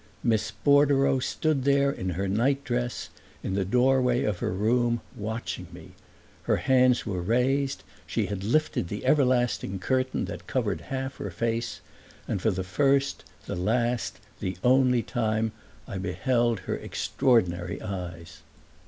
Miss Bordereau stood there in her nightdress, in the doorway of her room, watching me; her hands were raised, she had lifted the everlasting curtain that covered half her face, and for the first, the last, the only time I beheld her extraordinary eyes.